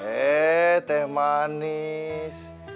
eh teh manis